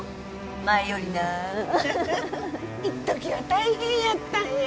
前よりないっときは大変やったんよ